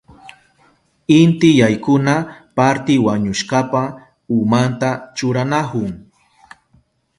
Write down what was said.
Inti yaykuna parti wañushkapa umanta churanahun.